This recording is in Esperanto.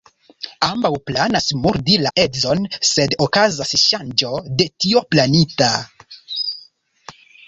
Ambaŭ planas murdi la edzon, sed okazas ŝanĝo de tio planita.